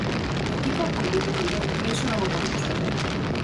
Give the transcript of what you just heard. O equipo compite moi ben e iso non o podemos perder.